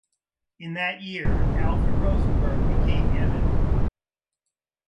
In that year Alfred Rosenberg became editor.